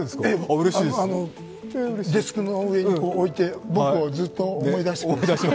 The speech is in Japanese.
デスクの上に置いて、僕をずっと思い出して。